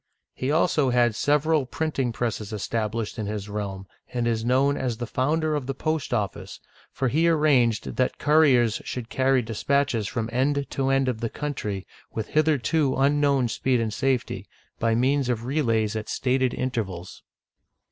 He also had sev eral printing presses established in his realm, and is known as the founder of the post office, for he arranged that cou riers should carry dispatches from end to end of the coun try, with hitherto unknown speed and safety, by means of relays at stated intervals.